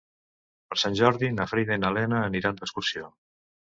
Per Sant Jordi na Frida i na Lea aniran d'excursió.